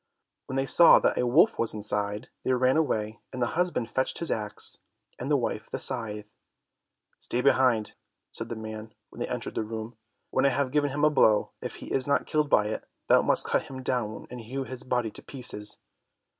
When they saw that a wolf was inside, they ran away, and the husband fetched his axe, and the wife the scythe. "Stay behind," said the man, when they entered the room. "When I have given him a blow, if he is not killed by it, thou must cut him down and hew his body to pieces."